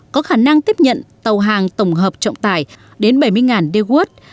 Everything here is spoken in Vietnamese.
có khả năng tiếp nhận tàu hàng tổng hợp trọng tải đến bảy mươi đê quốc